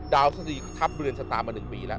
ดาวพระศัตริย์ทับเบือนสตาร์มมา๑ปีแล้ว